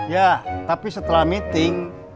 ya tapi setelah meeting